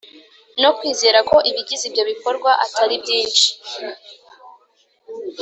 no kwizera ko ibigize ibyo bikorwa Atari byinshi